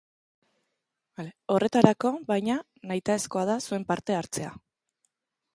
Horretarako, baina, nahitaezkoa da zuen parte hartzea.